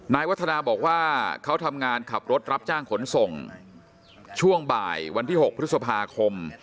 วัฒนาบอกว่าเขาทำงานขับรถรับจ้างขนส่งช่วงบ่ายวันที่๖พฤษภาคม